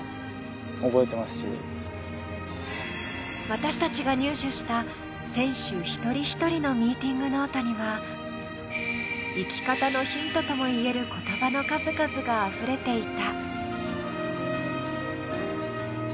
私たちが入手した選手一人一人のミーティングノートには、生き方のヒントとも言える言葉の数々があふれていた。